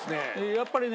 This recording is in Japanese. やっぱりね。